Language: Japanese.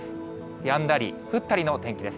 やんだり降ったりの天気です。